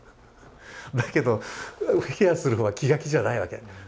だけどケアする方は気が気じゃないわけ。